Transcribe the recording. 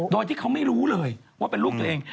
โดยที่เขาไม่รู้เลยว่าเป็นลูกตัวเอง